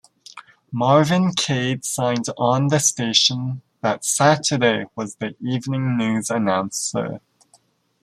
Marvin Cade signed on the station that Saturday and was the evening news announcer.